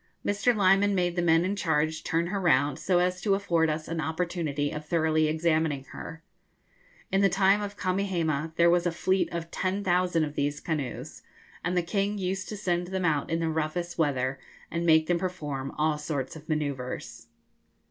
Mr. Lyman made the men in charge turn her round, so as to afford us an opportunity of thoroughly examining her. In the time of Kamehameha there was a fleet of 10,000 of these canoes, and the king used to send them out in the roughest weather, and make them perform all sorts of manoeuvres.